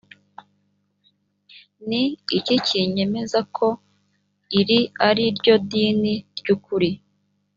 ni iki kinyemeza ko iri ari ryo dini ry’ukuri?